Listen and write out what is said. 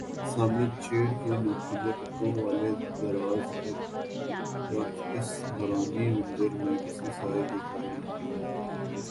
سامنے چیڑ کے نوکیلے پتوں والے دراز قد درخت اس نورانی منظر میں کسی سائے کی طرح معلوم ہوتے تھے